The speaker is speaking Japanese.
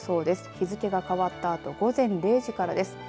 日付が変わったあと午前０時からです。